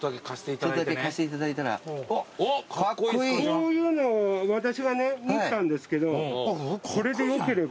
こういうのを私はね持ってたんですけどこれでよければ。